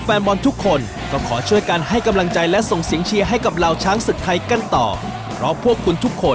เพราะพวกคุณทุกคน